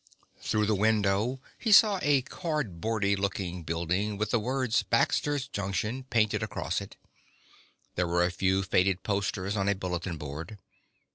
Through the window he saw a cardboardy looking building with the words BAXTER'S JUNCTION painted across it. There were a few faded posters on a bulletin board.